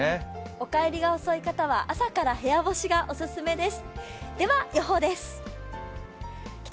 お帰りが遅い方は、朝から部屋干しがオススメです。